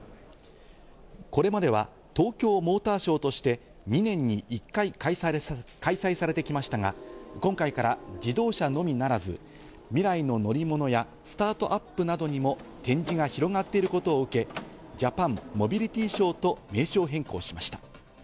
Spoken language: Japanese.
これまでは東京モーターショーとして２年に１回、開催されてきましたが今回から自動車のみならず、未来の乗り物やスタートアップなどにも展示が広がっていることを受け、ジャパンモビリティショーと名称変更しました。